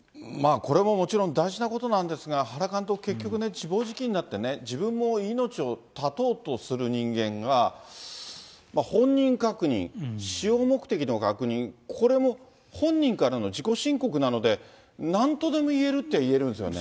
これももちろん大事なことなんですが、原監督、結局ね、自暴自棄になってね、自分も命を絶とうとする人間が本人確認、使用目的の確認、これも本人からの自己申告なので、なんとでも言えるって言えるんですよね。